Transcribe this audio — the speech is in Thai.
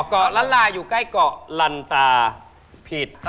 เกาะล้านลาอยู่ใกล้เกาะลันตาผิด